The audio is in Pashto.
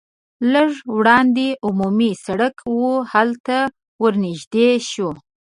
لږ وړاندې عمومي سرک و هلته ور نږدې شوو.